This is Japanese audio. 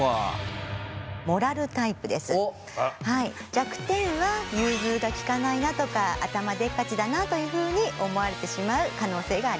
弱点は融通が利かないなとか頭でっかちだなというふうに思われてしまう可能性があります。